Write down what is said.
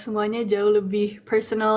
semuanya jauh lebih personal